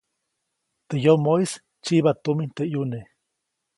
Teʼ yomoʼis tsyiba tumin teʼ ʼyune.